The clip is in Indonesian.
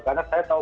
karena saya tahu